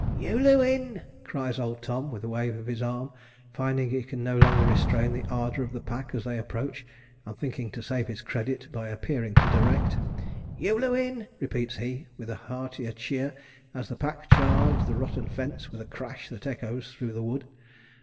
'Eu leu, in!' cries old Tom, with a wave of his arm, finding he can no longer restrain the ardour of the pack as they approach, and thinking to save his credit, by appearing to direct. 'Eu leu, in!' repeats he, with a heartier cheer, as the pack charge the rotten fence with a crash that echoes through the wood.